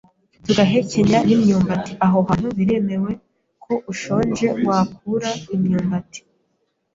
tugahekenya n’imyumati (aho hantu biremewe ko ushonje wakura umwumbati